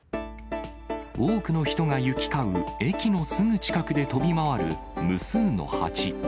多くの人が行き交う駅のすぐ近くで飛び回る無数のハチ。